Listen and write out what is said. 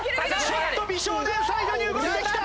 ちょっと美少年左右に動いてきた！